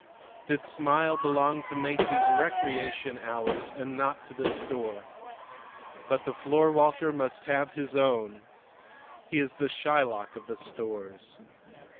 This smile belonged to Masie's recreation hours and not to the store; but the floorwalker must have his own. He is the Shylock of the stores.